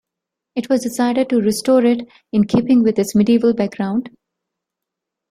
It was decided to restore it in keeping with its medieval background.